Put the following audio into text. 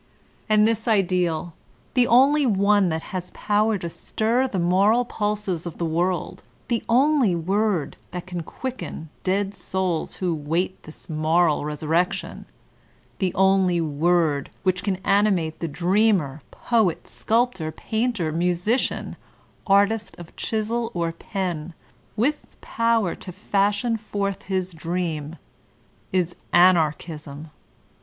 And this Ideal, the only one that has power to stir the moral pulses of the world, the only Word that can 138 YOLTAIKINB DIE CLBlfKB quicken ''Dead Souk'' who wait this moral r e tufr c cti on» tfie only Word which can animate the dreamer, poet, sculptor, painter, musician, artist of chisel or pen, with power to fashion forth his dream, is Anaxchisic.